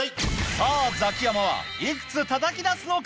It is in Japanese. さぁザキヤマはいくつたたき出すのか？